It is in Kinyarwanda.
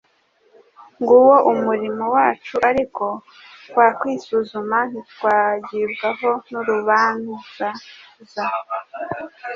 Nguwo umurimo wacu. «Ariko twakwisuzuma ntitwagibwaho n'urubanzaza.»